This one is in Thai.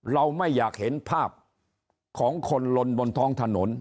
เราไม่อยากเห็นภาพของคนลนบนท้องถนน